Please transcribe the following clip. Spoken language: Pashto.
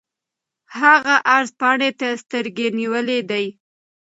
هغه عرض پاڼې ته سترګې نیولې دي.